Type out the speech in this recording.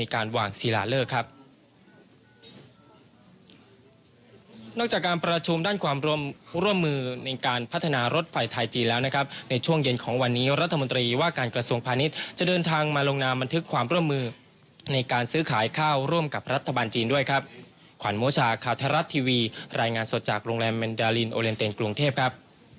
การกระทรวงพาณิชย์จะเดินทางมาลงนามบันทึกความร่วมมือในการซื้อขายข้าวร่วมกับรัฐบาลจีนด้วยครับขวัญโมชาคาวทรรัสทีวีรายงานสดจากโรงแรมแมนดาลินโอเรนเตนกรุงเทพครับ